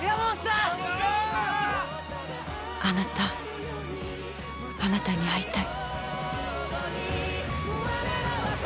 あなた、あなたに会いたい。